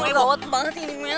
amel lo bawa tembanget sih ini mel